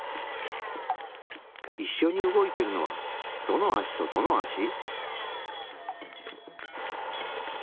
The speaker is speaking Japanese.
いっしょに動いてるのはどの足とどの足？